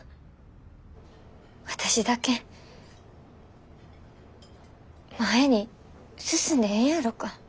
私だけ前に進んでええんやろか。